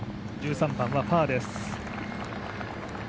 １３番はパーです。